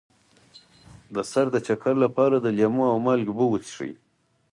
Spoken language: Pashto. د سر د چکر لپاره د لیمو او مالګې اوبه وڅښئ